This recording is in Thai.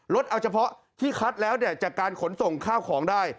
เอาเฉพาะที่คัดแล้วจากการขนส่งข้าวของได้